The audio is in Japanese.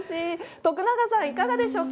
徳永さん、いかがでしょうか。